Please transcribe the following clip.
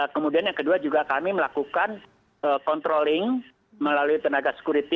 kemudian yang kedua juga kami melakukan controlling melalui tenaga security